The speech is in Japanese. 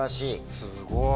すごい。